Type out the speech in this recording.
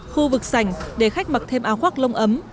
khu vực sành để khách mặc thêm áo khoác lông ấm